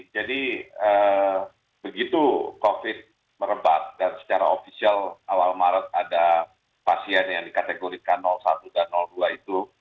jadi begitu covid merebat dan secara official awal maret ada pasien yang dikategorikan satu dan dua itu